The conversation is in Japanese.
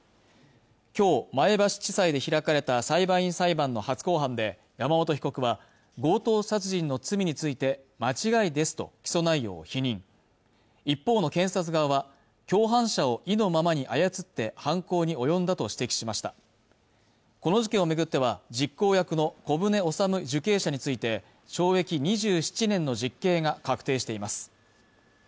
今日前橋地裁で開かれた裁判員裁判の初公判で山本被告は強盗殺人の罪について間違いですと起訴内容を否認一方の検察側は共犯者を意のままに操って犯行に及んだと指摘しましたこの事件をめぐっては実行役の小舟治受刑者について懲役２７年の実刑が確定しています